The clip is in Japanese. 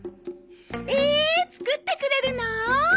ええっ作ってくれるの？